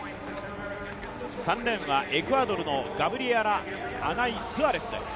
３レーンはエクアドルのガブリエラ・アナイ・スアレスです。